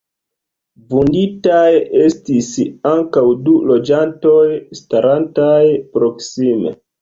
Vunditaj estis ankaŭ du loĝantoj starantaj proksime.